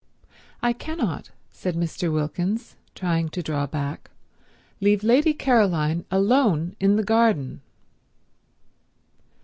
"I cannot," said Mr. Wilkins, trying to draw back, "leave Lady Caroline alone in the garden."